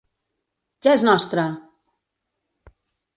Ja és nostre!